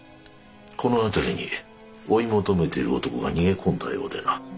この辺りに追い求めている男が逃げ込んだようでな。